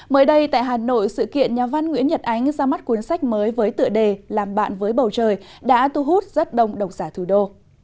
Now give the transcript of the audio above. mới đây tại hà nội sự kiện nhà văn nguyễn nhật ánh ra mắt cuốn sách mới với tựa đề làm bạn với bầu trời đã thu hút rất đông đồng giả thủ đô